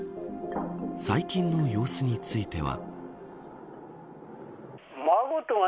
最近の様子については。